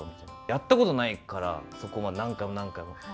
やったことないから、そこは何回も何回も。